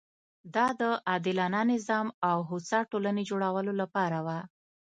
دا د عادلانه نظام او هوسا ټولنې جوړولو لپاره وه.